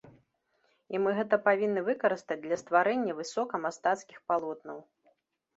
І мы гэта павінны выкарыстаць для стварэння высокамастацкіх палотнаў.